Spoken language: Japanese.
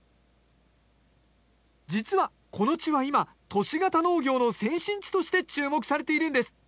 実はこの地は今、都市型農業の先進地として注目されているんです。